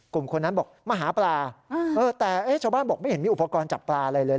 คนนั้นบอกมาหาปลาแต่ชาวบ้านบอกไม่เห็นมีอุปกรณ์จับปลาอะไรเลย